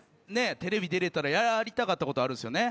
テレビ出られたらやりたかったことあるんすよね。